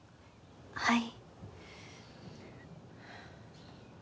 はい。